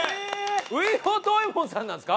外郎藤右衛門さんなんですか？